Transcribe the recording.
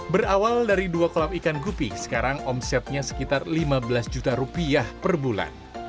berawal dari dua kolam ikan gupi sekarang omsetnya sekitar rp lima belas per bulan